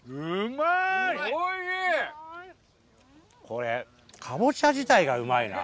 これかぼちゃ自体がうまいな。